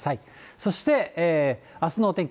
そしてあすのお天気。